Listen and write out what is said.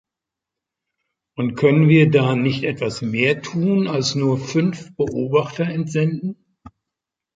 Und können wir da nicht etwas mehr tun als nur fünf Beobachter entsenden?